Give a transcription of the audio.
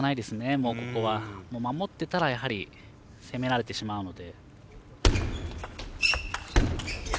もう、ここは。守ってたらやはり攻められてしまうので。